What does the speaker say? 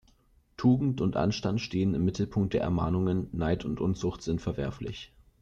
Tugend und Anstand stehen im Mittelpunkt der Ermahnungen, Neid und Unzucht sind verwerflich.